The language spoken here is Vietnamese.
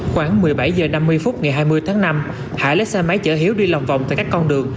khoảng một mươi bảy h năm mươi phút ngày hai mươi tháng năm hải lấy xe máy chở hiếu đi lòng vòng tại các con đường